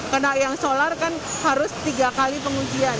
karena yang solar kan harus tiga kali pengujian